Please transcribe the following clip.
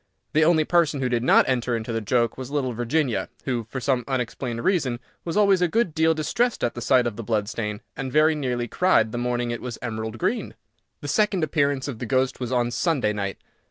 The only person who did not enter into the joke was little Virginia, who, for some unexplained reason, was always a good deal distressed at the sight of the blood stain, and very nearly cried the morning it was emerald green. The second appearance of the ghost was on Sunday night.